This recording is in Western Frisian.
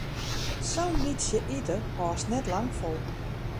Sa'n bytsje ite hâldst net lang fol.